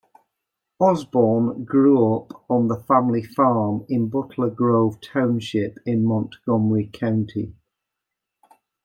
Osborn grew up on the family farm in Butler Grove Township in Montgomery County.